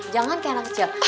jangan kayak anak kecil